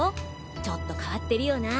ちょっとかわってるよな。